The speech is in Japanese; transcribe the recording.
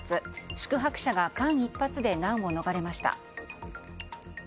宿泊者が間一髪で難を逃れました。